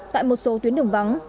tại một số tuyến đường vắng